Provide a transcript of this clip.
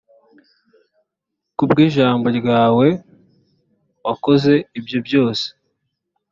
ku bw ijambo ryawe wakoze ibyo byose